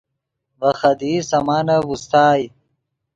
ڤے خدیئی سامانف اوستائے